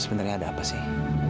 sebenernya ada apa sih